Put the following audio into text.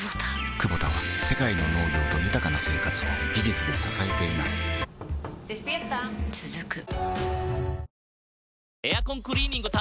クボタは世界の農業と豊かな生活を技術で支えています起きて。